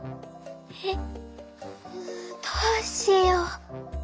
えっ！どうしよう」。